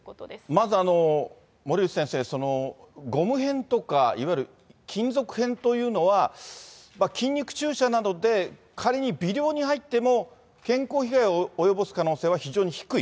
まず森内先生、そのゴム片とか、いわゆる金属片というのは、筋肉注射などで仮に微量に入っても、健康被害を及ぼす可能性は非常に低い。